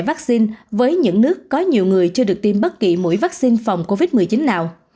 vắc xin với những nước có nhiều người chưa được tiêm bất kỳ mũi vắc xin phòng covid một mươi chín nào